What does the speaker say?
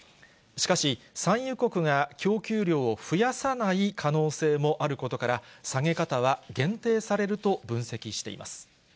しかし、産油国が供給量を増やさない可能性もあることから、下げ方は限定されると分析しています。